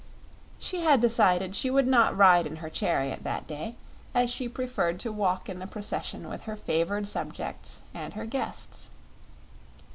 She had decided she would not ride in her chariot that day, as she preferred to walk in the procession with her favored subjects and her guests.